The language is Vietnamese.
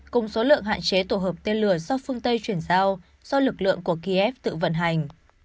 cùng số lượng hạn chế tổ hợp tên lửa do phương tây chuyển giao do lực lượng của kiev tự vận hành